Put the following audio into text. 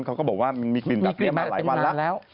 พี่เขาบอกว่ามีกลิ่นหลายวันแล้ว